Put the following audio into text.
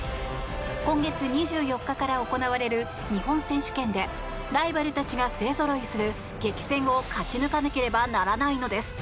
今月２４日から行われる日本選手権でライバルたちが勢ぞろいする激戦を勝ち抜かなければならないのです。